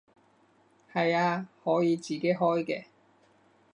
係啊，可以自己開嘅